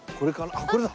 あっこれだ！